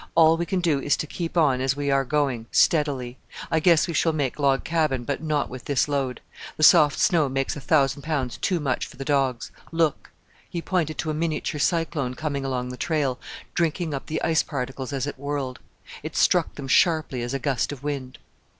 All we can do is to keep on as we are going, steadily. I guess we shall make Log Cabin, but not with this load. The soft snow makes a thousand pounds too much for the dogs. Look!" He pointed to a miniature cyclone coming along the trail, drinking up the ice particles as it whirled. It struck them sharply as a gust of wind.